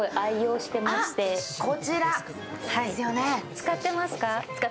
使ってます。